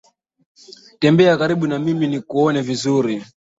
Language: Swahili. Tembea karibu nami nikuone vizuri